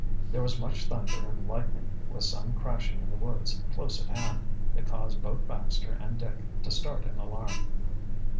There was much thunder and lightning, with some crashing in the woods close at hand, that caused both Baxter and Dick to start in alarm.